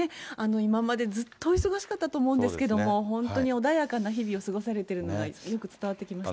今までずっと、忙しかったと思いますけれども、本当に穏やかな日々を過ごされてるのが、よく伝わってきました。